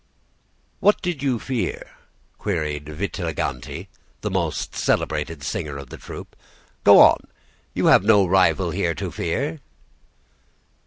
"'What do you fear?' queried Vitagliani, the most celebrated singer in the troupe. 'Go on, you have no rival here to fear.